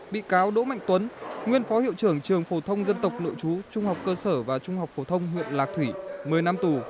bị cáo đỗ mạnh tuấn nguyên phó hiệu trưởng trường phổ thông dân tộc nội chú trung học cơ sở và trung học phổ thông huyện lạc thủy một mươi năm tù